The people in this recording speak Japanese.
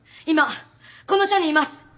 今この署にいます。